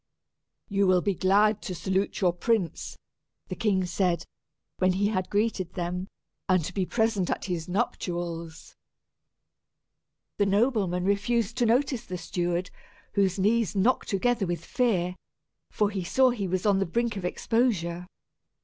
"You will be glad to salute your prince," the king said, when he had greeted them, "and to be present at his nuptials." The noblemen refused to notice the steward, whose knees knocked together with fear, for he saw he was on the brink of exposure.